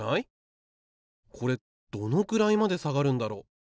これどのくらいまで下がるんだろう？